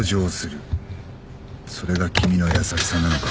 それが君の優しさなのか？